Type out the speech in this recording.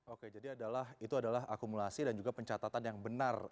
oke jadi itu adalah akumulasi dan juga pencatatan yang benar